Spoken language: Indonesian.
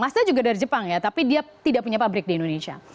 masta juga dari jepang ya tapi dia tidak punya pabrik di indonesia